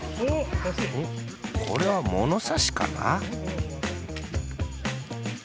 これはものさしかな？